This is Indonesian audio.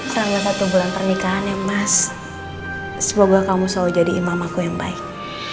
selama satu bulan pernikahan ya mas semoga kamu selalu jadi imam aku yang baik